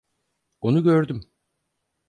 Onu gördüm.